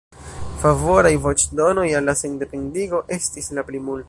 Favoraj voĉdonoj al la sendependigo estis la plimulto.